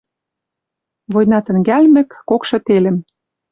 Война тӹнгӓлмӹк, кокшы телӹм